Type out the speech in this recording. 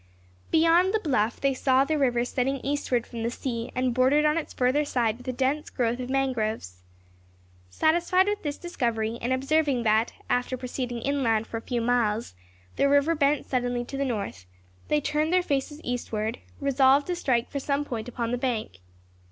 Beyond the bluff they saw the river setting eastward from the sea, and bordered on its further side with a dense growth of mangroves. Satisfied with this discovery, and observing that, after proceeding inland for a few miles, the river bent suddenly to the north, they turned their faces eastward, resolved to strike for some point upon the bank.